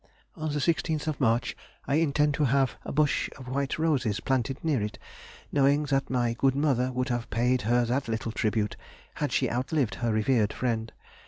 On the 16th of March I intend to have a bush of white roses planted near it, knowing that my good mother would have paid her that little tribute had she outlived her revered friend.